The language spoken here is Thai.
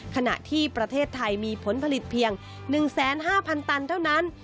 ขณะที่ประเทศไทยมีผลผลิตเพียง๑๕๐๐๐ตันเท่านั้น